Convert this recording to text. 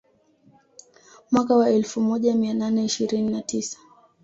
Mwaka wa elfu moja mia nane ishirini na tisa